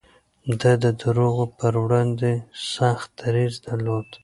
ده د دروغو پر وړاندې سخت دريځ درلود.